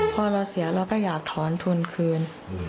พอเราเสียเราก็อยากถอนทุนคืน